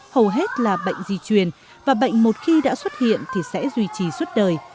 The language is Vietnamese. hầu hết là bệnh di truyền và bệnh một khi đã xuất hiện thì sẽ duy trì suốt đời